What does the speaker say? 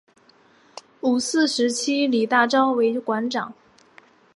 五四时期李大钊为馆长。